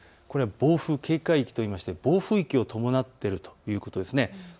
これは暴風警戒域といって暴風域を伴っているということです。